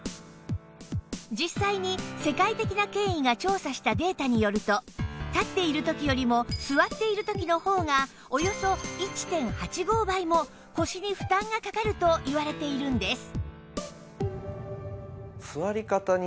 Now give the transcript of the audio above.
実際に世界的な権威が調査したデータによると立っている時よりも座っている時の方がおよそ １．８５ 倍も腰に負担がかかるといわれているんです